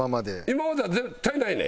今までは絶対ないね！